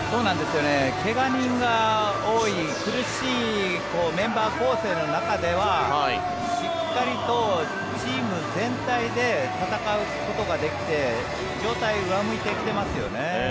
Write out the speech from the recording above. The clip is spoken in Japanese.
怪我人が多い苦しいメンバー構成の中ではしっかりとチーム全体で戦うことができて状態は上向いてきてますよね。